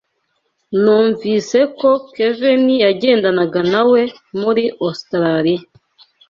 Numvise ko Kevin yagendanaga nawe muri Ositaraliya.